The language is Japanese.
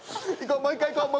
もう１回いこう。